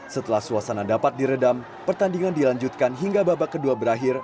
setelah suasana dapat diredam pertandingan dilanjutkan hingga babak kedua berakhir